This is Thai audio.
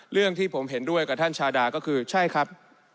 เรื่องที่ผมเห็นด้วยกับท่านชาดาก็คือใช่ครับ